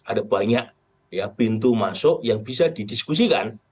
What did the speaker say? ada banyak pintu masuk yang bisa didiskusikan